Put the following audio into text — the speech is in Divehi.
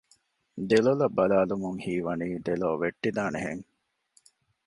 ދެލޮލަށް ބަލާލުމުން ހީވަނީ ދެލޯ ވެއްޓިދާނެ ހެން